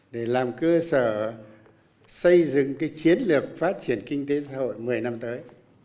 để làm cơ sở xây dựng cái chiến lược phát triển kinh tế xã hội một mươi năm tới